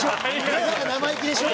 なんか生意気でしょ？